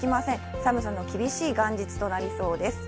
寒さの厳しい元日となりそうです。